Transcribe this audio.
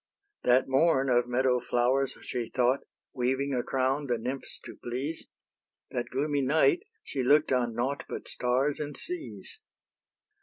That morn of meadow flowers she thought, Weaving a crown the nymphs to please: That gloomy night she look'd on nought But stars and seas.